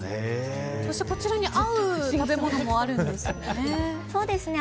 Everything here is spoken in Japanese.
そしてこちらに合う食べ物もあるんですよね。